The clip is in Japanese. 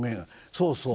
そうそう。